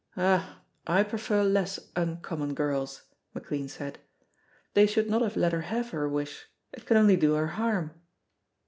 "Ah, I prefer less uncommon girls," McLean said. "They should not have let her have her wish; it can only do her harm."